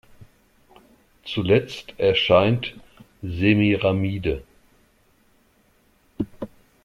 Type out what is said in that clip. Zuletzt erscheint Semiramide.